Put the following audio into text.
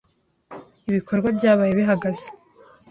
Ibikorwa byabaye bihagaze